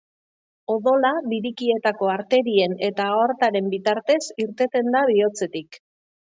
Odola birikietako arterien eta aortaren bitartez irteten da bihotzetik.